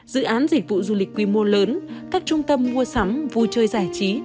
dự án dịch vụ du lịch quy mô lớn các trung tâm mua sắm vui chơi giải trí